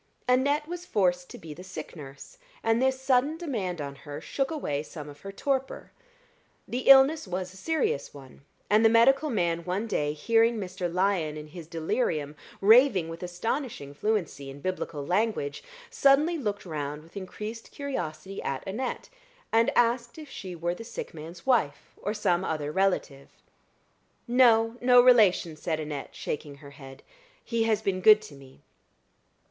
Annette was forced to be the sick nurse, and this sudden demand on her shook away some of her torpor. The illness was a serious one, and the medical man one day hearing Mr. Lyon in his delirium raving with an astonishing fluency in Biblical language, suddenly looked round with increased curiosity at Annette, and asked if she were the sick man's wife, or some other relative. "No no relation," said Annette, shaking her head. "He has been good to me."